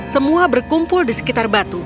semua berkumpul di sekitar batu